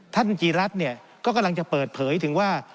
ท่านกีฤทธิ์เนี่ยก็กำลังจะเปิดเผยถึงว่า